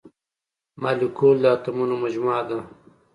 مالیکول د اتومونو مجموعه ده.